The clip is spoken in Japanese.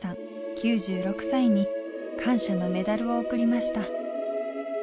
９６歳に感謝のメダルを贈りました。